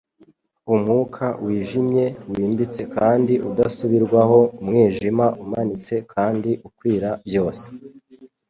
Umwuka wijimye, wimbitse, kandi udasubirwaho umwijima umanitse kandi ukwira byose